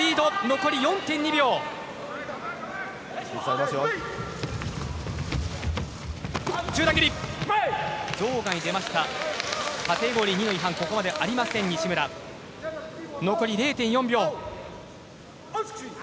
残り０．４秒。